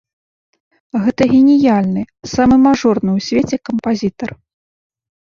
Гэта геніяльны, самы мажорны ў свеце кампазітар.